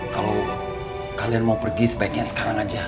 kalau kalian mau pergi sebaiknya sekarang aja